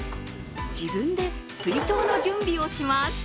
自分で水筒の準備をします。